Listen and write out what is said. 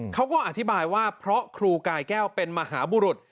เขาก็อธิบายว่าเพราะครูกายแก้วเป็นมหาบุรุษ